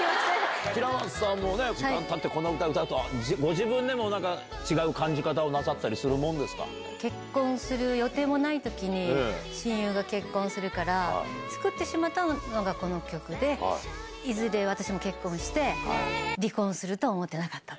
平松さんもね、時間たってこの歌うたうと、ご自分でもなんか違う感じ方をなさったりするもん結婚する予定もないときに、親友が結婚するから、作ってしまったのがこの曲で、いずれ私も結婚して、離婚するとは思ってなかった。